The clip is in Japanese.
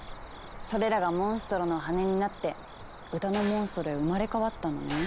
それらがモンストロの羽になって歌のモンストロへ生まれ変わったのね。